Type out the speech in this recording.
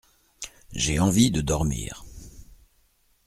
J’ai envie de dormir.